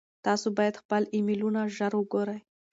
تاسو باید خپل ایمیلونه ژر وګورئ.